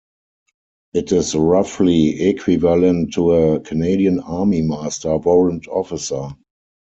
It is roughly equivalent to a Canadian Army master warrant officer.